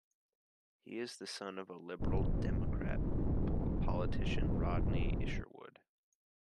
He is the son of Liberal Democrat politician Rodney Isherwood.